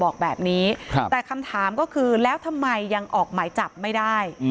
ใครยังออกหมายจับไม่ได้